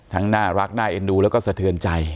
น่ารักน่าเอ็นดูแล้วก็สะเทือนใจ